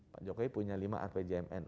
pak jokowi punya lima rpjmn